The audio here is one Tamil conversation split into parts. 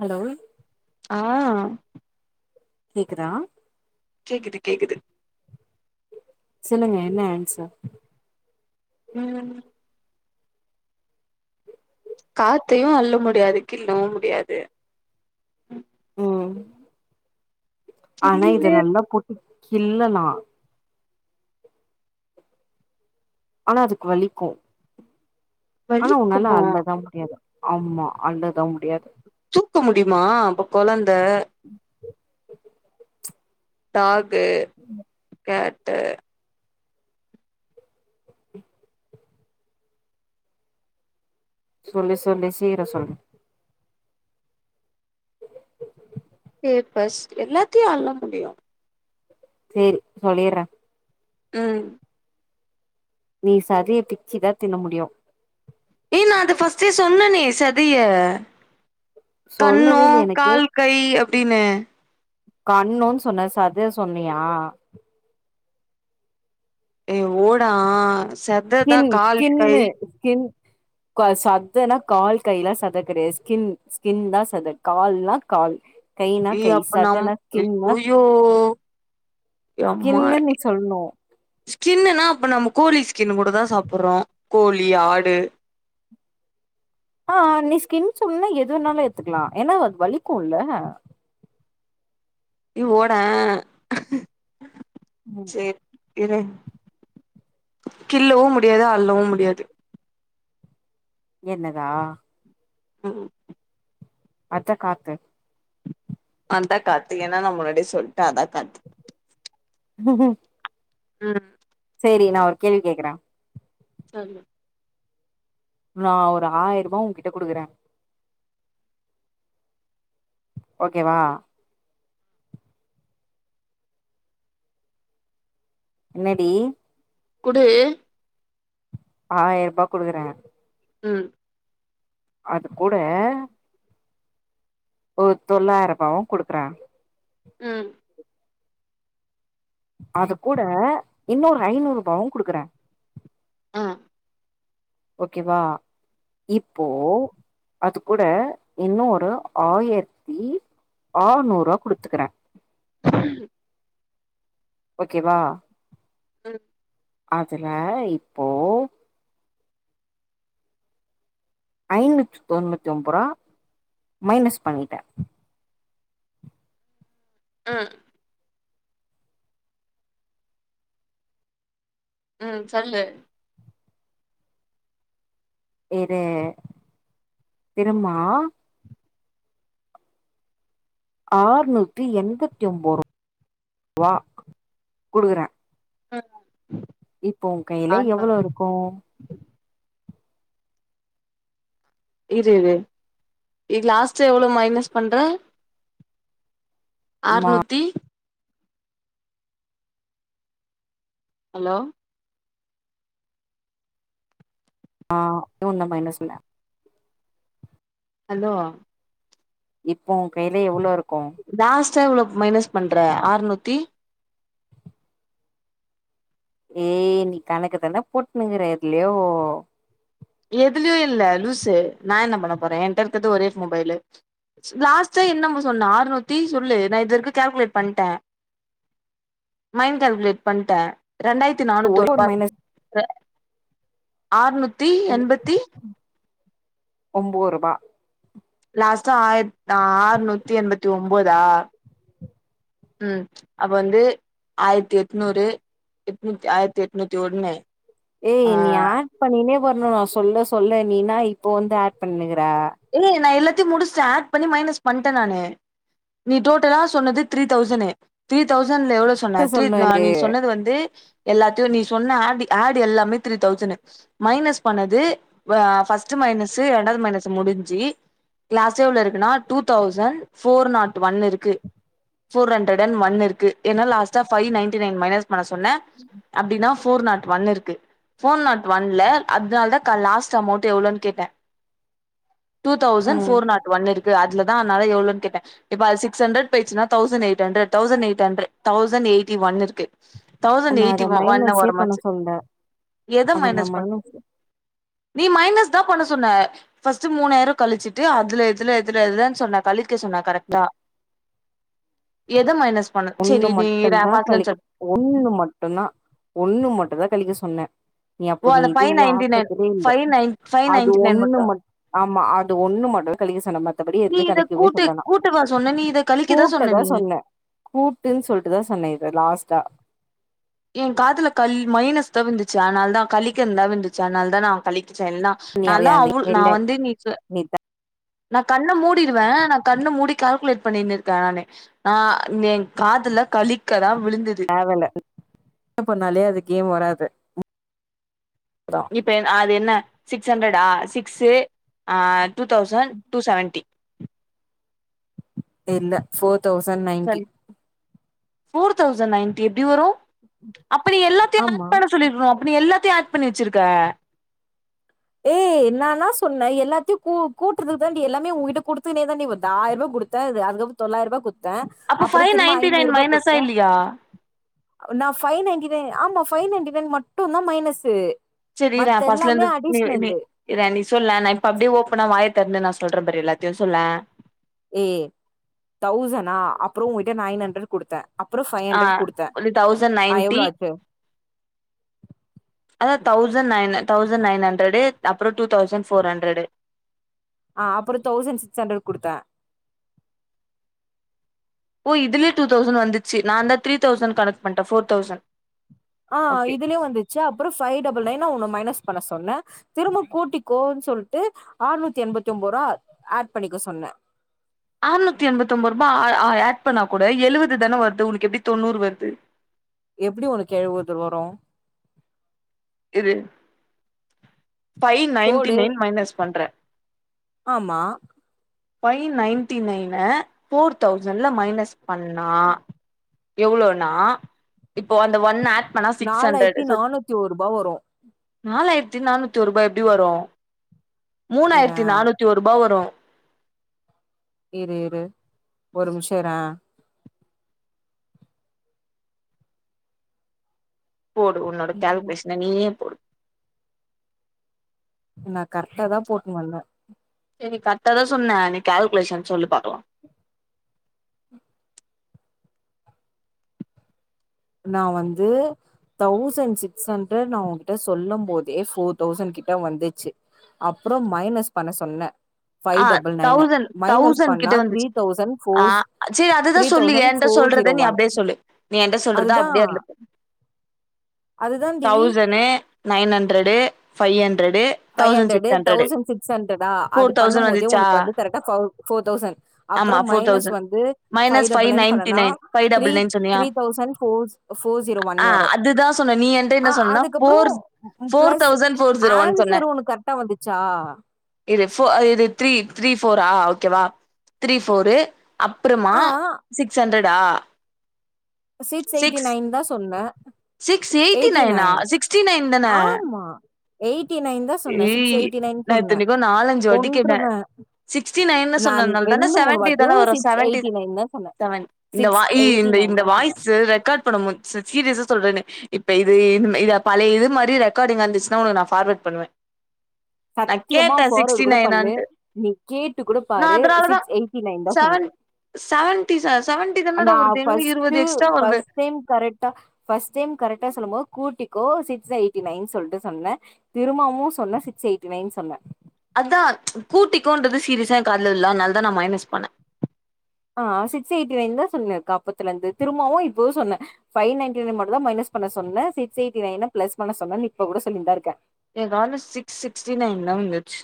ஹலோ ஆ கேக்குதா கேக்குது கேக்குது சொல்லுங்க என்ன ஆன்சர் ம் காத்தையு அள்ள முடியாது கிள்ளவு முடியாது ம் ஆனா இத கிள்ளினே நல்லா போட்டு கிள்ளலா ஆனா அதுக்கு வலிக்கோ ஆனா உன்னால வலிக்குமா அள்ளதா முடியாது ஆமா அள்ளதா முடியாது தூக்க முடியுமா அப்ப கொழந்த டாஹூ ஹேட்டு சொல்லி சொல்லி சீர சொல்லு எ பஸ் எல்லாத்தயு அள்ள முடியு சேரி சொல்லிர்றே ம் நீ சதய பிச்சி தா தின்ன முடியு ஏ நா அத ஃபர்ஸ்ட்டே சொன்னனே சதய கன்னோ சொல்லவே இல்ல எனக்கு கால் கை அப்டின்னு கன்னோன் சொன்ன சத சொன்னியா ஏ ஓடா சத் கின் கின்னு கின் கா சதன்னா கால் கைலா சத கெடையாது ஸ்கின் ஸ்கின் தா சத கால்னா கால் கைனா ஏ கை அப்ப நம் சதனா கின்னா ஐயயோ கின்னுன் நீ சொல்னோ ஸ்கின்னுன்னா அப்ப நம்ம கோழி ஸ்கின்னுக் கூட தா சாப்புறோ கோழி ஆடு அ நீ ஸ்கின் சொன்னா எதுவென்னாலு எத்துக்லா ஏன்னா அது வலிக்கோல்ல இ ஓடே ம் சேர் இரு கிள்ளவு முடியாது அல்லவு முடியாது என்னதா ம் அஜ்ஜ காத்து அதா காத்து ஏன்னா நா முன்னாடியே சொல்ட்ட அதா காத்து ம் சேரி நா ஒரு கேள்வி கேக்குற கேல்லு இபோ நா ஒரு ஆயிர்பா ஓங்கிட்ட குடுக்குறே ஓகேவா என்னடி குடு ஆயிர்பா குடுக்கறே ம் அது கூட ஒரு தொள்ளாயிர்பாவு குடுக்றே ம் அது கூட இன்னொரு ஐநூறுபாவு குடுக்கறே ஆ ஓகேவா இப்போ அது கூட இன்னு ஒரு ஆயர்த்தி ஆநூற்வா குடுத்துக்றே [inaudible] ஓகேவா ம் அதுல இப்போ ஐநூத்தி தொண்ணூத்தி ஒம்போரா மைனஸ் பண்ணிட்ட ம் ம் சொல்லு இரு இருமா ஆறூத்தி எண்பத்தி ஒம்போது [unintelligible] வா குடுக்குறே ம் இப்போ ஒ கைல ஆமா எவ்வளோ இருக்கு இரு இரு இ லாஸ்ட்டா எவ்ளோ மைனஸ் பண்ற மா ஆற்நூத்தி ஹலோ ஆ டோன்ல மைனஸ் இல்ல ஹல்லோ இப்போ ஓ கைல எவ்ளோ இருக்கு லாஸ்ட்டா எவ்ளோ மைனஸ் பண்ற ஆறுநூத்தி ஏய் நீ கணக்கு தானா போட்க்குணுகிற எதுலியோ எதுலயு இல்ல லூசு நா என்ன பண்ண போறே ஏன்ட்ட இருக்கது ஒரே ஃபோ மொபைலு லாஸ்ட்டா என்னம்பர் சொன்னே ஆர்நூத்தி சொல்லு நா இதுவரிக்கு கால்குலேட் பண்ட்ட மைண்ட் கால்குலேட் பண்ட்ட ரெண்டாயிரத் தி ஒரே ஒரு நானுத்தொர்பா மைனஸ் இருக்குது ஆர்நூத்தி எண்பத்தி ஒம்போருபா லாஸ்டா ஆயிர்த் ஆறுநூத்தி எண்பத்தி ஒம்போதா ம் அப்ப வந்து ஆயிரத்தி எட்நூறு எட்நூத்தி ஆயிரத்தி எட்நூத்தி ஒன்னு ஏய் நீ ஆட் பண்ணினே வர்ணு நா சொல்ல சொல்ல நீ இன்னா இப்போ வந்து ஆட் பண்ணினுகிற ஏய் நா எல்லாத்தயு முடிச்சுட்ட ஆட் பண்ணி மைனஸ் பண்ட்ட நானு நீ டோட்டலா சொன்னது த்ரி தௌசனு த்ரீ தௌசண்ட்ல எவ்ளோ சொன்ன த்ரீ சொல்லணு எனக்கு நீ சொன்னது வந்து எல்லாத்தயு நீ சொன்ன ஆ ஆட் எல்லாமே த்ரீ தௌசனு மைனஸ் பண்ணது ப ஃபஸ்ட் மைனஸு ரெண்டாது மைனஸ் முடிஞ்சு லாஸ்ட்டா எவ்ளோ இருக்குனா two thousand four not one இருக்கு ஃபோர் ஹண்ட்ரேடன் ஒன் இருக்கு ஏனா லாஸ்ட்டா ஃபைவ் நைன்ட்டி நைன் மைனஸ் பண்ண சொன்ன அப்டினா ஃபோர் நாட் ஒன் இருக்கு ஃபோர் நாட் ஒன்ல அதுனால்தா க லாஸ்ட் அமௌன்ட்டு எவ்ளோனு கேட்ட டூ தௌசண்ட் ம் ஃபோர் நாட் ஒன் இருக்கு அதுலதா அதனால எவ்ளன்னு கேட்ட இப்ப அது சிக்ஸ் ஹண்ட்ரட் போய்ச்சுன்னா thousand eight hundred thousand eight hundred thousand eighty one இருக்கு தௌசண்ட் நா எயிட்டி அத ஒ ஒன்ன மைனஸே ஓரமா பண்ண வெச்சுரு சொல்ல எது அத நா மைனஸ் பண் நீ மைனஸ்தா பண்ண சொன்ன ஃபஸ்ட்டு மூணாயிர கழிச்சுட்டு அதுல எதுல எதுல எதுலன் சொன்னா கழிக்க சொன்னா கரெக்ட்டா எது மைனஸ் பண்ணு ஒண்ணு சரி நீ இரே மட்டுந்தா பாத்துலு கழிக்க சொல் ஒண்ணு மட்டுந்தா ஒண்ணு மட்டுந்தா கழிக்க சொன்னே நீ ஓ அப்ப நீ அந்த இது ஃபைவ் வலியா நைன்டி ஆட் நைன் பண்ணவே இல்ல ஃபைவ் நைன் ஃபைவ் அது நைன்டி நைன் ஒண்ணு மட்டுந்தா மட் ஆமா அது ஒண்ணு மட்டு கழிக்க சொன்ன மத்தபடி நீ எதுமே இத கழிக்கவே கூட்டு சொல்ல நா கூட்டவா சொன்ன நீ இத கழிக்கதா கூட்டதா நீ சொன்ன கூட்டுன் சொல்ட்டுதா சொன்ன இத லாஸ்ட்டா என் காதுல கல் மைனஸ்தா விழுந்துச்சு அதனாலதா கழிக்கிறன்தா விழுந்துச்சு அதனால்தா நா கழிச்சே என்னா நீ அவ நாந்தா அந்த அவுள் நா இல்ல வந்து நீ சொ நா கண்ண மூடிடுவே நா கண்ண மூடி கால்குலேட் பண்ணினிருக்க நானு ஆ எ காதுல கழிக்கதா விழுந்துது வே இல்ல பண்ணாலே அது கேம் வராது அதா இப்ப எ ஆ அது என்ன சிக்ஸ் ஹண்ட்ரடா சிக்ஸு ஆ டூ தௌசண்ட் டூ செவன்ட்டி ஏ இல்ல four thousand ninety sorry four thousand ninety எப்டி வரு அப்ப நீ எல்லாத்தையு ஆட் ஆமா பண்ண சொல்லிருக்கனு அப்ப நீ எல்லாத்தையு ஆட் பண்ணி வெச்சிருக்க ஏய் நா என்னா சொன்ன எல்லாத்தையு கூ கூட்டறதுக்கு தாண்டி எல்லாமே உங்கிட்ட குடுத்துனே தாண்டி வந்த ஆயிருபா குடுத் த அது அதுக்கப்பற தொள்ளாயிருபா குத்தே அப்ப அப்பற ஃபைவ் திரும்ப நைன்டி நைன் ஐநூறுபா மைனஸா குத்தே இல்லையா நா ஃபை நைன்டி நைன் ஆமா ஃபைவ் நைன்டி நைன் மட்டுந்தா மைனஸு செரி இரு நா மத்த எல்லாமே ஃபஸ்ட்லந்து வெ அடிஷ்னல் நீ இத நீ சொல்லே நா இப்ப அப்டியே ஓப்பனா வாய தெறந்து நா சொல்றம் பாரு எல்லாத்தையு சொல்லே ஏ தௌசனா அப்பற உங்கிட்ட நைன் ஹண்ட்ரட் குடுத்த அப்பற ஃபைவ் ஆ ஹண்ட்ரட் குடுத்த ஒரு தௌசண்ட் ஆ எவ்ள நைன்டி ஆச்சு அதா thousand nine thousand nine hundred அப்பற டூ தௌசண்ட் ஃபோர் ஹண்ட்ரடு ஆ அப்பற தௌசண்ட் சிக்ஸ் ஹண்ட்ரட் குடுத்த ஓ இதுலயே டூதெளசண்ட் வந்துச்சு நாந்தா த்ரீ தௌசண்ட் கணக் பண்ட்ட ஃபோர் தௌசண் ஆ இதுலயு வந்துச்சு அப்பற ஃபைவ் டபுள் நைன் உன்ன மைனஸ் பண்ண சொன்ன திரும்பக் கூட்டிக்கோன் சொல்ட்டு ஆறுநூத்தி எண்பத்தி ஒன்போ ரூபா ஆட் பண்ணிக்க சொன்ன ஆறுநூத்தி எண்பத்தி ஒன்போ ரூபா ஆ அ ஆட் பண்ணா கூட எழுபது தானே வருது உனக்கு எப்டி தொண்ணூறு வருது எப்டி உனக்கு எழுவது வரு இரு ஃபைவ் நைன்டி போடு நைன் மைனஸ் பண்ற ஆமா ஃபைவ் நைன்டி நைன ஃபோர் தௌசண்ட்ல மைனஸ் பண்ணா எவ்ளோனா இப்போ அந்த ஒன் ஆட் பண்ணா சிக்ஸ் ஹண்ரேட் த்தி ஒரு ரூபா வரு நாலாயிரத்தி நானூத்தி ஒரு ரூபா எப்டி வரு இரே மூணாயிரத்தி நானூத்தி ஒரு ரூபா வரு இரு இரு ஒரு நிமிஷோ இரே போடு உன்னோட கால்குலேஷன நீயே போடு நா கரெக்ட்டா தா போட்னு வந்த சரி கரெக்ட்டா தா சொன்னே நீ கால்குலேஷன் சொல்லு பாக்கலா நா வந்து தௌசண்ட் சிக்ஸ் ஹண்ட்ரட் நா உங்கிட்ட சொல்லும் போதே ஃபோர் தௌசண்ட் கிட்ட வந்துருச்சு அப்புறம் மைனஸ் பண்ண சொன்னே ஃபைவ் ஆ double nine thousand minus thousand பண்ணா கிட்ட த்ரீ வந்துச்சு தௌசண்ட் ஆ ஃபோர் செரி அததா த்ரீ சொல்லு தௌசண்ட் ஏங் கிட்ட ஃபோர் சொல்றத ஜீரோ நீ ஒன் அப்டியே சொல்லு நீ என்ட்ட சொல்றது அதுதா அப்டியே அதில சொல்லு அதுதான்டி thousand nine hundred five hundred five thousand hundred six hundred thousand six ஹண்ட்ரடா அது ஃபோர் பண்ணும் தௌசண்ட் போதே வந்துச்சா உனக்கு வந்து கரெக்ட் பௌ ஃபோர் தௌசண்ட் ஆமா அப்புறம் ஃபோர் மைனஸ் தௌசண்ட் வந்து five minus five double nine ninety பண்ணன்னா ஃபைவ் த்ரீ டபுள் நைன் சொன்னியா three thousand four four zero one ஆ வரு அதுதா சொன்ன நீ என்ட்ட என்ன அ சொன்ன அதுக்கு அப்புறோ four four plus thousand four zero one சொன்ன ஆன்சர் உனக் கரெக்டா வந்துச்சா இரு ஃபோ இது த்ரீ த்ரீ போஃபுரா ஓகேவா த்ரீ போஃபரு அப்புறமா ஆ சிக்ஸ் ஹண்ரேட்டா சீட்ஸ் எயிட்டி நைன் தா சொன்னே சிக்ஸ் எயிட்டி நைனா சிக்ஸ்டி நைன் தானே ஆமா எயிட்டி நைன் தா சொன்னே சிக்ஸ் எயிட்டி நைன் நா சொன்னே இத்தனைக்கு நாலஞ்சு வாட்டி கேட்டே கொன்றுவே சிக்ஸ்டி நைன்னு நான் சொன்னதுனால தானே ரெண்டு மூணு செவன்டி வாட்டியோ தானே வரு சிக்ஸ் செவன்டி எயிட்டி நைன் தா சொன்னே செவன் இந்த சிக்ஸ் வாயி எயிட்டி இந்த நைன் இந்த தா சொன்னே வாய்ஸு ரெக்கார்ட் பண்ண முடிஞ்ச்சு சீரியஸா சொல்றேன்னு இப்ப இது இ இந்த பழைய இது மாரி ரெக்காடிங் வந்துச்சுன்னா உனக்கு நா பார்வேர்டு பண்ணுவே நா சத்தியமா கேட்டே ஃபார்வர்ட் சிக்ஸ்டி கூட பண்ணு நைனான்ட்டு நீ கேட்டு கூட நா பாரு அதனாலதா சிக்ஸ் எயிட்டி நைன் தா சொன்னே செவன் செவன்டி சார் செவன்டி தன்னடாட வருது எங்க இருபது எக்ஸ்ட்ரா வருது சேம் கரெட்டா ஃபஸ்ர்ட் டைம் கரெக்டா சொல்லும்போ கூட்டிக்கோ சிக்ஸ் எயிட்டி நைன்னு சொல்லிட்டு சொன்னே திரும்பமும் சொன்னே சிக்ஸ் எயிட்டி நைன் சொன்னே அதா கூட்டிக்கோன்றது சீரியஸா எ காதுல விழுல அதனால தா நா மைனஸ் பண்ணே ஆ சிக்ஸ் எயிட்டி நைன் தா சொன்னிருக்கு அப்பத்துல இருந்து திரும்பவு இப்போவு சொன்னே பைவ் நைன்டி நைன் மட்டும்தா மைனஸ் பண்ண சொன்னே சிகஸ் எயிட்டி நைன பிளஸ் பண்ண சொன்னனு இப்ப கூட சொல்லினுதா இருக்கே எங்க ஆன சிக்ஸ் சிக்ஸ்டி நைன் தா வந்துருச்சு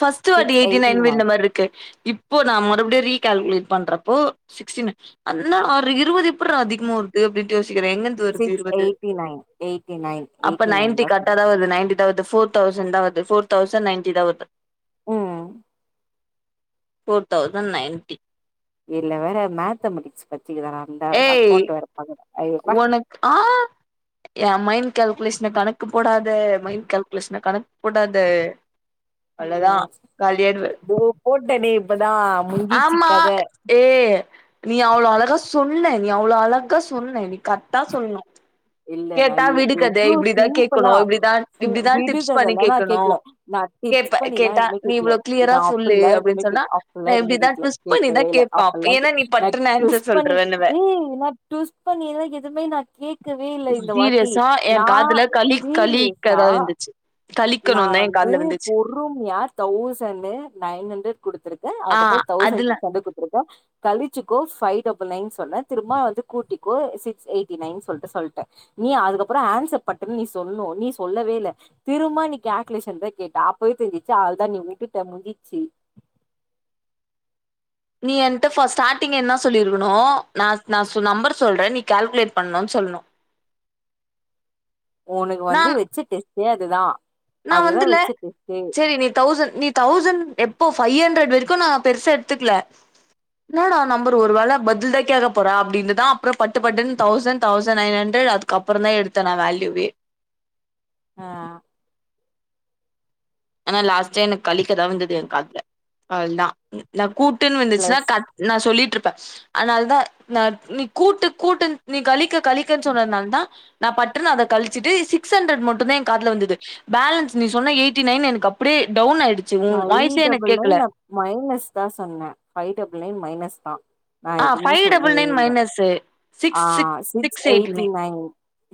ஃபர்ஸ்ட் வாட்டி எயிட்டி நைன் விழுந்த மாரி இருக்கு இப் இப்போ நா மறுபடியே ரீகல்குலேட் பண்றப்போறப்ப சிக்ஸ்டீனு இன்னு ஒரு இருவது அப்புற அதிகமா வருது அப்டின்னுட்டு யோசிக்கிற எங்கிருந்து வருது சிக்ஸ் இருபது எயிட்டி நைன் எயிட்டி நைன் அப்ப எயிட்டி நைன் நைன்டி கரெக்ட் சொன்ன தா வருது நைன்டி தா வருது போர் தௌசண்ட் தா வருது போர் தௌசண்ட் நைன்ட்டி தா வருது ம் ஃபேர் தௌசண்ட் நைன்டி இதுல வேற மேத்தமெட்டிக்ஸ் படிச்சிருக்காவனா இருந்தா ஏய் அக்கௌண்ட் வேற பாக்கணு ஐயோ பே உனக்கு ஆ எ மைண்ட் கால்குலேஷன கணக்கு போடாத மைண்ட் கால்குலேஷன கணக்கு போடாத அவ்ளோதா காலியாய்டுவ போட்டெனே இப்பதா முஞ்சிச்சு ஆமா கத ஏ நீ அவ்ளோ அழகா சொன்னே நீ அவ்ளோ அழகா சொன்னே நீ கரெக்ட்டா சொல்னு இல்ல நா எவ் எவ்ளோ கேக்கணு சிம்பிளா இப்டிதா சிறு இப்டிதா டிப்ஸ் பண்ணி விடுகதல்லா நா கேக்கணு கேக்ல நா டிப்ஸ் கேப்ப பண்ணில்லா கேட்டா எதுமே நீ கேக்கல இவ்ளோ கிளியரா நா சொல்லு அப்பிட்லா எதுமே அப்டின்னு சொன்னா கேக் அப் பிட்லா நா எதுமே இப்டிதா கேக்ல ட்விஸ்ட் பண்ணிதா கேக்கவே இல்ல கேப்பா அப்டில்லா ஏன்னா நீ எதுமே நா பட்டுன்னு ட்டுவிஸ் ஆன்சர் பண்ணி சொல்ருவன்னுவ ஏய் நா ட்டுவிஸ் பண்ணிலா எதுமே நா கேக் சீரியஸா எ காதுல கழிக் சீரியஸா கழிக்கதா விழுந்துச் நா வந்து ஃபோர் ரூம் யார் தௌசண்ணு நைன் ஹண்ட்ரட் குடுத்துருக்கே ஆ அதுகப்றோ தௌசண்ட் அதுல சிக் ஹண்ட்ரட் குடுத்துருக்கே கழிச்சிக்கோ ஃபைவ் டபுள் நைன் சொன்னே திரும்ப அது கூட்டிக்கோ சிக்ஸ் எயிட்டி நைன் சொல்ட்டு சொல்லிட்டே நீ அதுக்கு அப்றோ ஆன்சர் பட்டுன்னு நீ சொல்னு நீ சொல்லவே இல்ல திரும்ப கேல்குலேஷன் தா கேட்டா அப்பவே தெரிசிச்சு அவ்ளோதா நீ விட்டுட்ட முஞ்சிச்சு நீ என்ட்ட ஃபஸ் ஸ்டார்ட்டிங்கே என்ன சொல்லிருக்கணு நா நா நம்பர் சொல்றே நீ கால்குலேட் பண்ணுண்ணு சொல்ணு உனக்கு நா வந்து வச்ச டெஸ்ட்டே அதுதா நா அதுதா வந்துல வச்ச டெஸ்ட்டே சேரி நீ தௌசண்ட் நீ தௌசண்ட் எப்போ ஃபைவ் ஹண்ட்ரட் வரைக்கு நா பெருசா எடுத்துக்ல என்னடா நம்பர் ஒரு வேல பதில்தா கேக்க போற அப்டின்னுதா அப்றோ பட்டு பட்டுன் தௌசண்ட் தௌசண்ட் நைன் ஹண்ட்ரட் அது அதுக்கு அப்றோதா நா எடுத்தே வேல்யூவே அ ஆனா லாஸ்ட் டைம் எனக்கு கழிக்கதா வந்துது எ காதுல அவுள்தா நா கூட்டுன்னு வந்துச்சுன்னா பிளஸ் கட் நா சொல்லிட்ருப்பே அதனாலதா நாநீ கூட்டு கூட்டு நீ கழிக்க கழிக்கன் சொன்னத்னாலதா நா பட்டுனு அத கழச்சிட்டு சிக்ஸ் ஹண்ட்ரட் மட்டுதா எ காதுல விழ்ந்துது பேலன்ஸ் நீ சொன்ன எய்ட் டிநைன் எனக்கு அப்டியே டவுன் ஆயிடுச்சு உன ஃபைவ் வாய்ஸே எனக்கு டபுள் கேக்கல நைன் நா மைனஸ் தா சொன்னே ஃபை டபுள் நைன் மைனஸ்தா நா ஆ எது மே ஃபைவ் டபுள் சொல்லவே நைன் இல்ல மைனஸு ஆ six eighty nine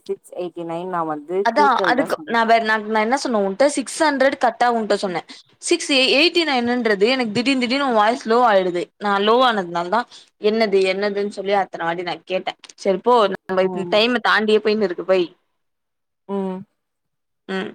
six eighty nine நா வந் அதா அதுக்கு நா நா என்ன சொன்னே உன்ட சிக்ஸ் ஹண்ட்ரட் கர்ட்டா உன்ட நா சொன்னே சிக் எயிட்டி நைன்னுன்றது எனக்கு திடிர் திடிர்னு உ வாய் லோவ்வாய்டுது நா லோ ஆனதுனால தா என்னது என்னதுன் சொல்லி அத்தன வாட்டி நா கேட்டே சேரிப்போ நம் ம் டைம் தாண்டியே பொயினு இருக்குது வைய் ஓ ம்